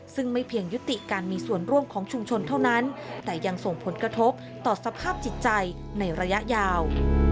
ซึ่งไม่เพียงยุติการมีส่วนร่วมของชุมชนเท่านั้นแต่ยังส่งผลกระทบต่อสภาพจิตใจในระยะยาว